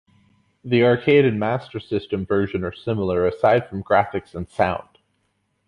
The arcade and Master System versions are similar, aside from graphics and sound.